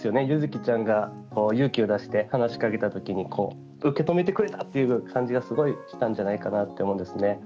柚希ちゃんが勇気を出して話しかけたときに受け止めてくれたという感じがすごくしたんじゃないかなと思うんですね。